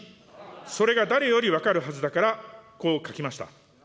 それが誰より分かるはずだからこう書きました。